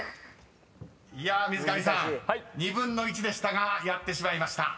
［水上さん２分の１でしたがやってしまいました］